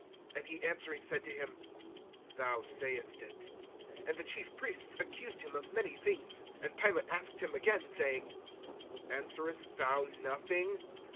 And he answering said to him: Thou sayest it. (3)And the chief priests accused him of many things. (4)And Pilate asked him again, saying: Answerest thou nothing?